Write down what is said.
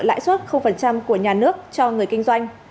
lãi suất của nhà nước cho người kinh doanh